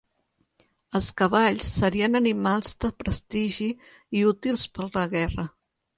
Els cavalls serien animals de prestigi i útils per a la guerra.